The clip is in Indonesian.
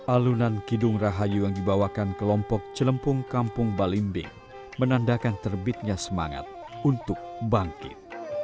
alunan kidung rahayu yang dibawakan kelompok celempung kampung balimbing menandakan terbitnya semangat untuk bangkit